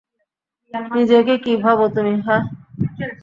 নিজেকে কি ভাবো তুমি হাহ?